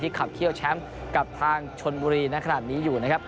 ที่ขับเคี่ยวแชมป์กับทางชนบุรีณขนาดนี้อยู่นะครับ